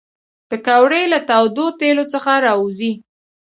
پکورې له تودو تیلو څخه راوزي